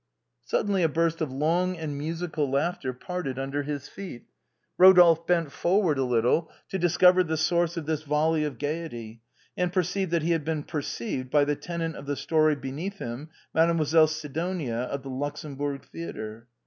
Suddenly, a burst of long and musical laughter parted under his feet. Rodolphe bent forward a little, to discover the source of this volley of gaiety, and perceived that he had been perceived by the tenant of the story beneath him. Mademoiselle Sidonia, of the Luxembourg Theatre.